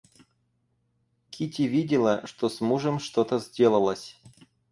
Кити видела, что с мужем что-то сделалось.